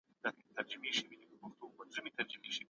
انلاين درسونه به زده کوونکو ته د وخت تنظيم آسانه کړي.